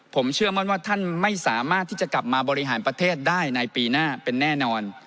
ผมเชื่อมั่นว่าท่านไม่สามารถที่จะกลับมาบริหารประเทศได้ในปีหน้าเป็นแน่นอน